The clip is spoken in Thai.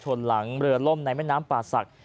ถนนหลังยอดน้ำปลาศักรณ์